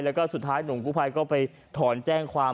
แล้วก็สุดท้ายหนุ่มกู้ภัยก็ไปถอนแจ้งความ